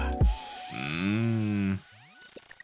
うん。